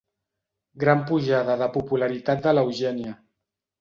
Gran pujada de popularitat de l'Eugènia.